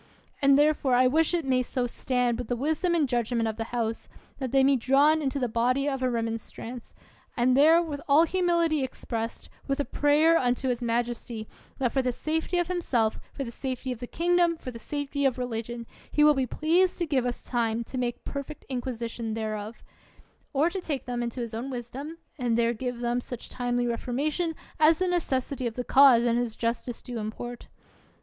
And therefore I wish it may so stand with the wisdom and judgment of the house, that they may be drawn into the body of a Remonstrance, and there with all humility expressed; with a prayer unto his majesty, that for the safety of himself, for the safety of the kingdom, for the safety of religion, he will be pleased to give us time to make perfect inquisition thereof; or to 48 ELIOT take them into his own wisdom and there give them such timely reformation as the necessity of the cause, and his justice do import.